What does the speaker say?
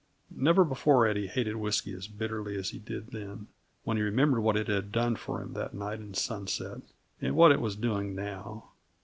Never before had he hated whisky as bitterly as he did then, when he remembered what it had done for him that night in Sunset, and what it was doing now.